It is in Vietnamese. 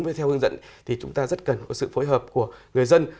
với theo hướng dẫn thì chúng ta rất cần có sự phối hợp của người dân